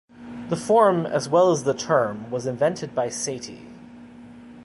The form as well as the term was invented by Satie.